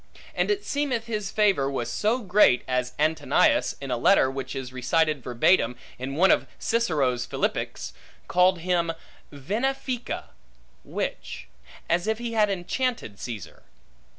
And it seemeth his favor was so great, as Antonius, in a letter which is recited verbatim in one of Cicero's Philippics, calleth him venefica, witch; as if he had enchanted Caesar.